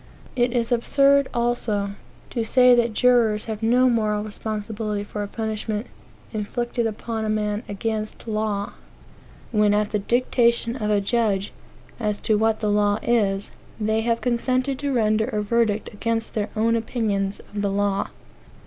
It is absurd, also, to say that jurors have no moral responsibility for a punishment indicted upon a man against law, when, at the dictation of a judge as to what the law is, they have consented to render a verdict against their own opinions of the law.